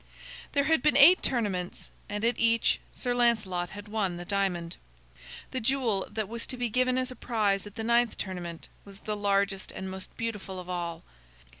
There had been eight tournaments, and at each Sir Lancelot had won the diamond. The jewel that was to be given as a prize at the ninth tournament was the largest and most beautiful of all.